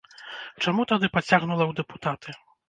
Чаму тады пацягнула ў дэпутаты?